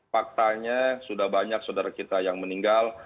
faktanya sudah banyak saudara kita yang meninggal